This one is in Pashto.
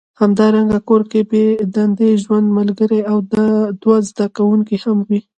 همدارنګه کور کې بې دندې ژوند ملګری او دوه زده کوونکي هم وي